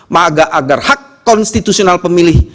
maka agar hak konstitusional pemilih